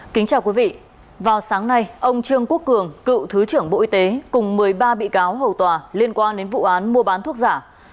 kính chào quý vị vào sáng nay ông trương quốc cường cựu thứ trưởng bộ y tế cùng một mươi ba bị cáo hầu tòa liên quan đến vụ án mua bán thuốc giả